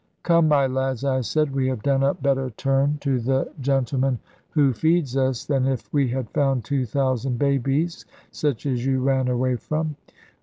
"Come, my lads," I said, "we have done a better turn to the gentleman who feeds us, than if we had found two thousand babies, such as you ran away from.